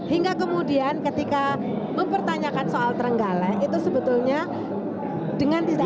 hingga kemudian ketika mempertanyakan soal terenggalek itu sebetulnya dengan tidak